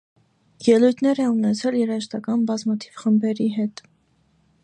Ելույթներ է ունեցել երաժշտական բազմաթիվ խմբերի հետ։